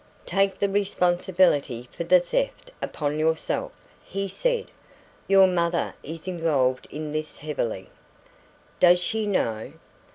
"'Take the responsibility for the theft upon yourself,' he said. 'Your mother is involved in this heavily.' "'Does she know?'